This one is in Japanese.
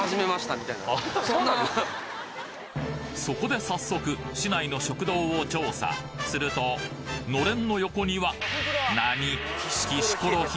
そこで早速市内の食堂を調査するとのれんの横にはなに？